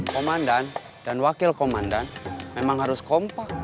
komandan dan wakil komandan memang harus kompak